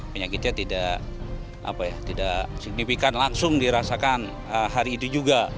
penyakitnya tidak signifikan langsung dirasakan hari ini juga